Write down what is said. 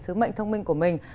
sứ mệnh thông minh của mình